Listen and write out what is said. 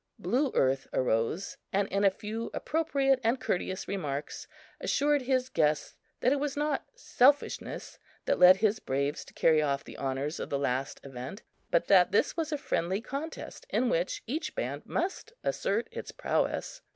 Blue Earth arose, and in a few appropriate and courteous remarks assured his guests that it was not selfishness that led his braves to carry off the honors of the last event, but that this was a friendly contest in which each band must assert its prowess.